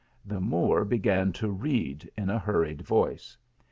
The Moor began to read in a hurried voice.